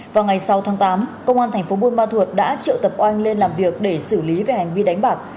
vào ngày sáu tháng tám công an thành phố buôn ma thuột đã triệu tập oanh lên làm việc để xử lý về hành vi đánh bạc